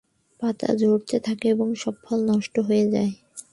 পাতা ঝরতে থাকে, এবং সব ফল নষ্ট হয়ে যায়।